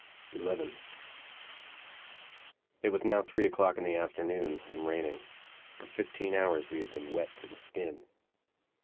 XI It was now three o'clock in the afternoon, and raining. For fifteen hours we had been wet to the skin.